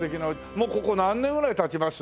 もうここ何年ぐらい経ちます？